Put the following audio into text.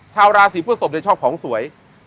ชาวราศีพฤศพชอบของสวย